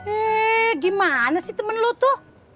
eh gimana sih temen lo tuh